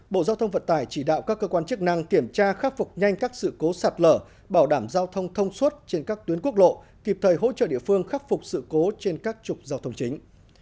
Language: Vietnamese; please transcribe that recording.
bộ giao thông vận tải chỉ đạo các cơ quan chức năng kiểm tra khắc phục nhanh các sự cố sạt lở bảo đảm giao thông thông suốt trên các tuyến quốc lộ kịp thời hỗ trợ địa phương khắc phục sự cố trên các trục giao thông chính